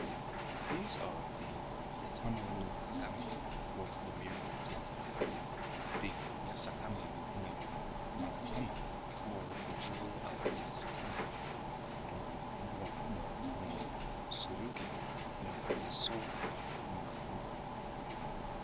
These are the Yatano no Kagami or the Mirror of Yata, the Yasakami no Magatama or the Jewel of Yasakami, and the Murakumo no Tsurugi or the Sword of Murakumo.